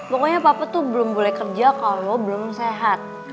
pokoknya papa tuh belum boleh kerja kalau belum sehat